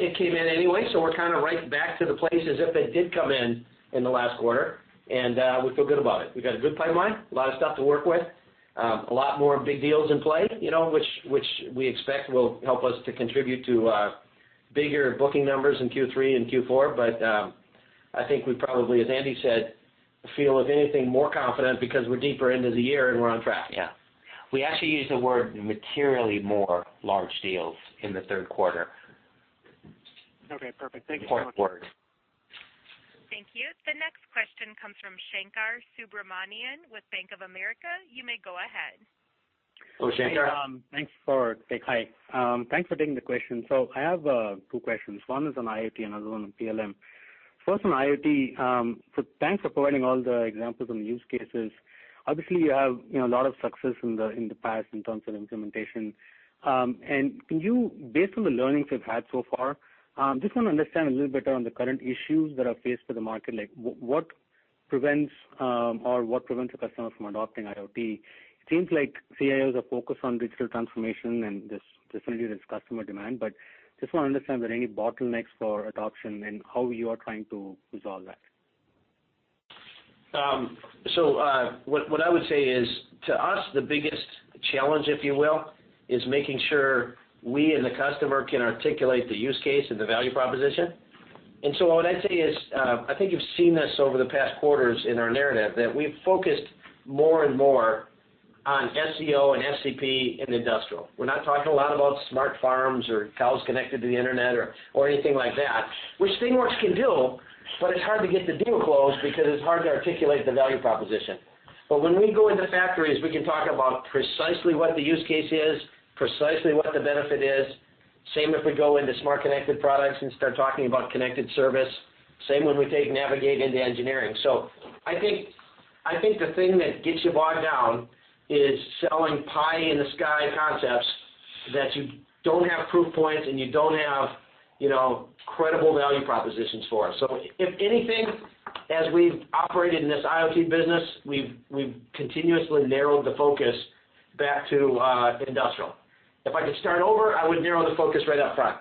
C: It came in anyway, we're kind of right back to the place as if it did come in the last quarter, and we feel good about it. We've got a good pipeline, a lot of stuff to work with. A lot more big deals in play, which we expect will help us to contribute to bigger booking numbers in Q3 and Q4. I think we probably, as Andy said, feel, if anything, more confident because we're deeper into the year, we're on track.
D: Yeah. We actually used the word materially more large deals in the third quarter.
M: Okay, perfect. Thank you so much.
D: Important word.
A: Thank you. The next question comes from Shankar Subramanian with Bank of America. You may go ahead.
C: Oh, Shankar.
N: Hey. Thanks for taking the question. I have two questions. One is on IoT, another one on PLM. First on IoT. Thanks for providing all the examples on the use cases. Obviously, you have a lot of success in the past in terms of implementation. Can you, based on the learnings you've had so far, just want to understand a little better on the current issues that are faced with the market. Like, what prevents a customer from adopting IoT? It seems like CIOs are focused on digital transformation, and definitely there's customer demand, but just want to understand, were there any bottlenecks for adoption and how you are trying to resolve that?
C: What I would say is, to us, the biggest challenge, if you will, is making sure we and the customer can articulate the use case and the value proposition. What I'd say is, I think you've seen this over the past quarters in our narrative, that we've focused more and more on SCO and SCP in industrial. We're not talking a lot about smart farms or cows connected to the internet or anything like that, which ThingWorx can do, but it's hard to get the deal closed because it's hard to articulate the value proposition. When we go into factories, we can talk about precisely what the use case is, precisely what the benefit is. Same if we go into smart connected products and start talking about connected service. Same when we take Navigate into engineering. I think the thing that gets you bogged down is selling pie in the sky concepts that you don't have proof points and you don't have credible value propositions for. If anything, as we've operated in this IoT business, we've continuously narrowed the focus back to industrial. If I could start over, I would narrow the focus right up front.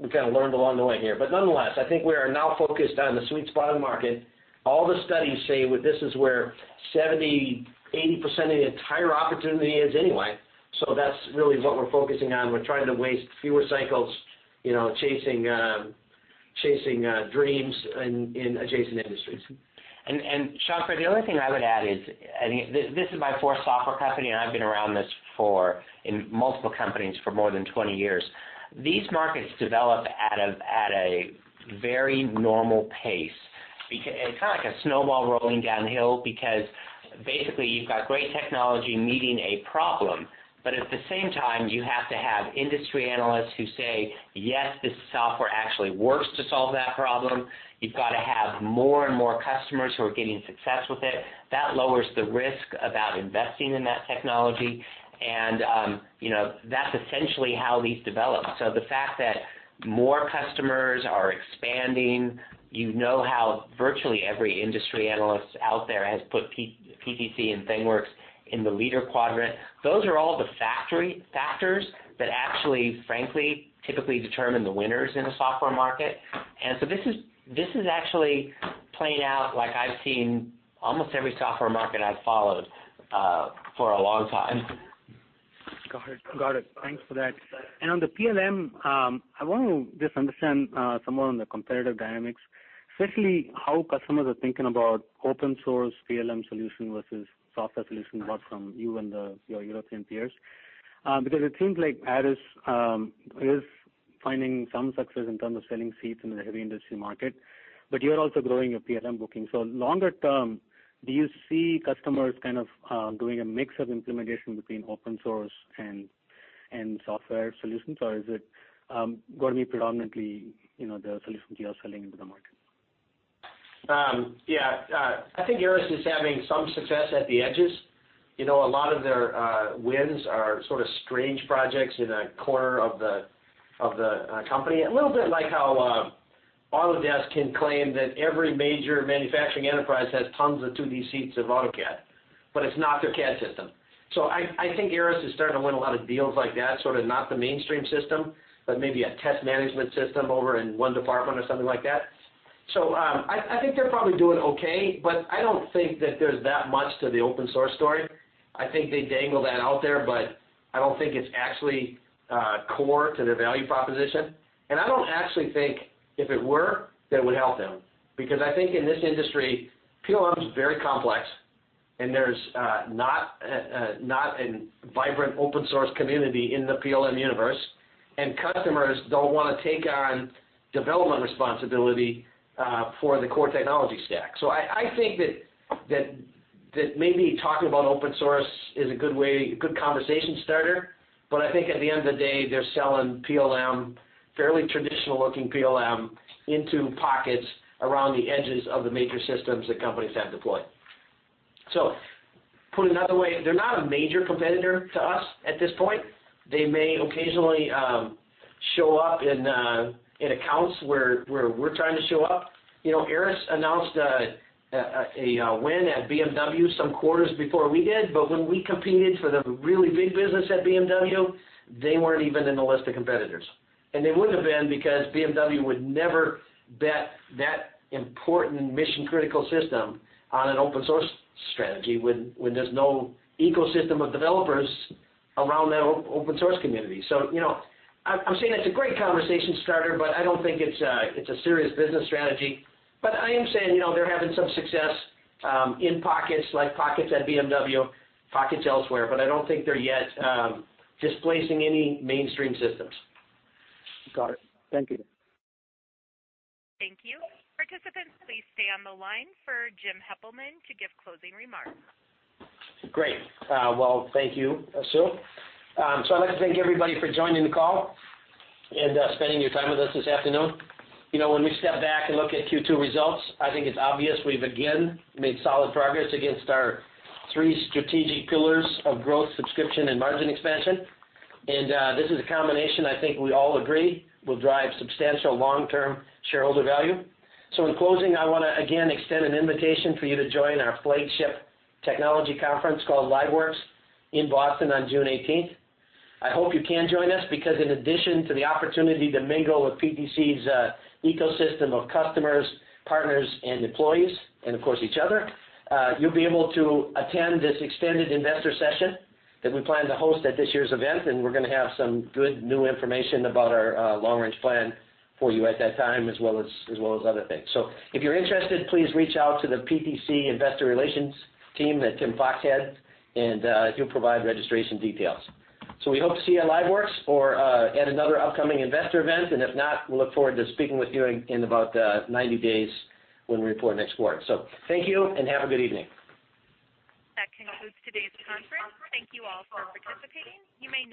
C: We kind of learned along the way here. Nonetheless, I think we are now focused on the sweet spot of the market. All the studies say this is where 70%-80% of the entire opportunity is anyway. That's really what we're focusing on. We're trying to waste fewer cycles chasing dreams in adjacent industries.
D: Shankar, the only thing I would add is, this is my fourth software company, and I've been around this in multiple companies for more than 20 years. These markets develop at a very normal pace. It's kind of like a snowball rolling downhill because basically you've got great technology meeting a problem, but at the same time, you have to have industry analysts who say, "Yes, this software actually works to solve that problem." You've got to have more and more customers who are getting success with it. That lowers the risk about investing in that technology, and that's essentially how these develop. The fact that more customers are expanding, you know how virtually every industry analyst out there has put PTC and ThingWorx in the leader quadrant. Those are all the factors that actually, frankly, typically determine the winners in a software market. This is actually playing out like I've seen almost every software market I've followed for a long time.
N: Got it. Thanks for that. On the PLM, I want to just understand some more on the competitive dynamics, especially how customers are thinking about open source PLM solution versus software solution bought from you and your European peers. Because it seems like Aras is finding some success in terms of selling seats in the heavy industry market, but you're also growing your PLM booking. Longer term, do you see customers kind of doing a mix of implementation between open source and software solutions, or is it going to be predominantly the solution you are selling into the market?
C: Yeah. I think Aras is having some success at the edges. A lot of their wins are sort of strange projects in a corner of the company. A little bit like how Autodesk can claim that every major manufacturing enterprise has tons of 2D seats of AutoCAD, but it's not their CAD system. I think Aras is starting to win a lot of deals like that, sort of not the mainstream system, but maybe a test management system over in one department or something like that. I think they're probably doing okay, but I don't think that there's that much to the open source story. I think they dangle that out there, but I don't think it's actually core to their value proposition. I don't actually think if it were, that it would help them, because I think in this industry, PLM is very complex and there's not a vibrant open source community in the PLM universe, and customers don't want to take on development responsibility for the core technology stack. I think that maybe talking about open source is a good conversation starter, but I think at the end of the day, they're selling PLM, fairly traditional-looking PLM, into pockets around the edges of the major systems that companies have deployed. Put another way, they're not a major competitor to us at this point. They may occasionally show up in accounts where we're trying to show up. Aras announced a win at BMW some quarters before we did, but when we competed for the really big business at BMW, they weren't even in the list of competitors. They wouldn't have been, because BMW would never bet that important mission-critical system on an open source strategy when there's no ecosystem of developers around that open source community. I'm saying it's a great conversation starter, but I don't think it's a serious business strategy. I am saying, they're having some success in pockets, like pockets at BMW, pockets elsewhere, but I don't think they're yet displacing any mainstream systems.
N: Got it. Thank you.
A: Thank you. Participants, please stay on the line for Jim Heppelmann to give closing remarks.
C: Great. Well, thank you, Ashok. I'd like to thank everybody for joining the call and spending your time with us this afternoon. When we step back and look at Q2 results, I think it's obvious we've again made solid progress against our three strategic pillars of growth, subscription, and margin expansion. This is a combination I think we all agree will drive substantial long-term shareholder value. In closing, I want to again extend an invitation for you to join our flagship technology conference called LiveWorx, in Boston on June 18th. I hope you can join us because in addition to the opportunity to mingle with PTC's ecosystem of customers, partners, and employees, and of course each other, you'll be able to attend this extended investor session that we plan to host at this year's event. We're going to have some good new information about our long-range plan for you at that time, as well as other things. If you're interested, please reach out to the PTC investor relations team that Tim Fox heads, and he'll provide registration details. We hope to see you at LiveWorx or at another upcoming investor event. If not, we'll look forward to speaking with you in about 90 days when we report next quarter. Thank you and have a good evening.
A: That concludes today's conference. Thank you all for participating. You may now disconnect.